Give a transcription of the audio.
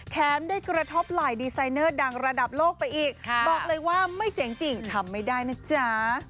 ได้กระทบไหล่ดีไซเนอร์ดังระดับโลกไปอีกบอกเลยว่าไม่เจ๋งจริงทำไม่ได้นะจ๊ะ